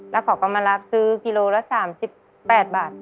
แล้วขอกำลังรับซื้อกิโลละ๓๘บาท